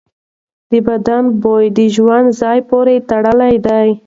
د بدن بوی د ژوند ځای پورې تړلی دی.